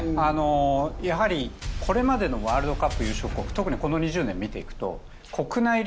やはりこれまでのワールドカップ優勝国特にこの２０年見ていくと。